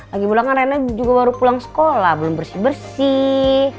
lagi pula kan rena juga baru pulang sekolah belum bersih bersih